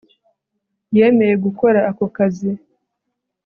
yemeye gukora ako kazi